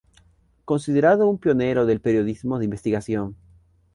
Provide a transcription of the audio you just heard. Considerado un pionero del periodismo de investigación.